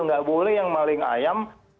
nggak boleh yang maling ayam